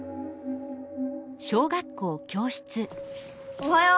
おはよう！